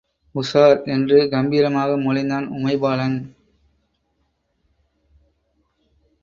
உஷார்! என்று கம்பீரமாக மொழிந்தான் உமைபாலன்.